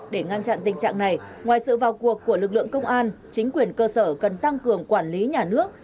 để ngăn chặn tình trạng này ngoài sự vào cuộc của lực lượng công an chính quyền cơ sở cần tăng cường quản lý nhà nước